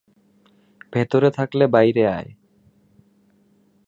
ভেতরে থাকলে বাইরে আয়।